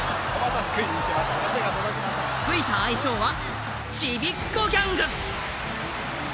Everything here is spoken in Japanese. ついた愛称は「ちびっこギャング」。